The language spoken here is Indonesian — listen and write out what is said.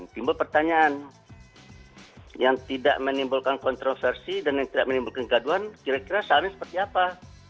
timbul pertanyaan yang tidak menimbulkan kontroversi dan yang tidak menimbulkan kegaduan kira kira sahamnya seperti apa